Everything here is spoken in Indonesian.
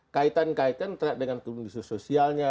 kaitan kaitan dengan kondisi sosialnya